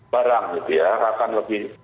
barang gitu ya akan lebih